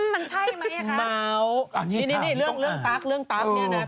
มันใช่ไหมคะม้าวนี่เรื่องตั๊กเนี่ยนะ